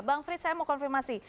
bang frits saya mau konfirmasi